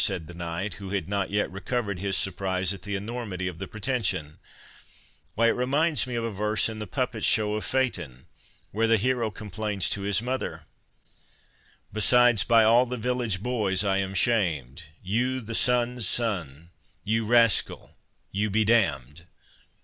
said the knight, who had not yet recovered his surprise at the enormity of the pretension; "why, it reminds me of a verse in the Puppet show of Phaeton, where the hero complains to his mother— 'Besides, by all the village boys I am sham'd, You the Sun's son, you rascal, you be d—d!